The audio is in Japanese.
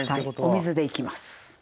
お水でいきます。